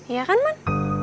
ya kan man